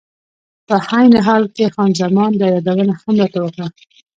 په عین حال کې خان زمان دا یادونه هم راته وکړه.